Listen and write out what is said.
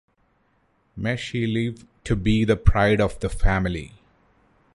May she live to be the pride of the family.